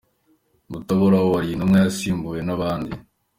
Mutaboba wari intumwa yasimbuwe nabandi